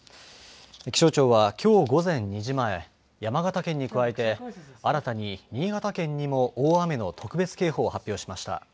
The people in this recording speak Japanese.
気象庁はきょう午前２時前山形県に加えて新たに新潟県にも大雨の特別警報を発表しました。